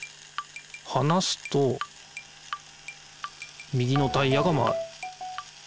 はなすと右のタイヤが回る。